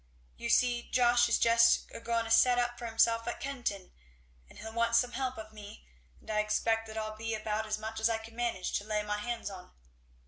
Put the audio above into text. "You see Josh is just a going to set up for himself at Kenton, and he'll want some help of me; and I expect that'll be about as much as I can manage to lay my hands on."